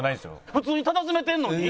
普通にたたずめてるのに？